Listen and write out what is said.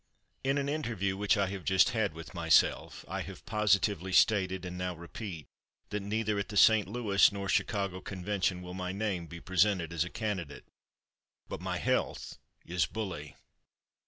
] In an interview which I have just had with myself, I have positively stated, and now repeat, that at neither the St. Louis nor Chicago Convention will my name be presented as a candidate. But my health is bully.